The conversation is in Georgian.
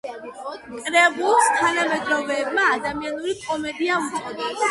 კრებულს თანამედროვეებმა „ადამიანური კომედია“ უწოდეს.